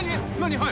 はい。